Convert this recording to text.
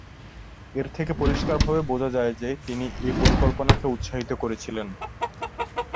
এর থেকে পরিষ্কারভাবে বোঝা যায় যে, তিনি এ পরিকল্পনাকে উৎসাহিত করেছিলেন।